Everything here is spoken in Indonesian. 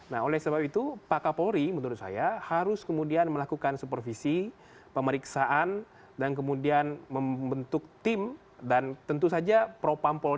nah oleh sebab itu pak kapori menurut saya harus kemudian melakukan supervisi pemeriksaan dan kemudian membentuk tim dan tentu saja pro pampolri bisa langsung kemudian berhubung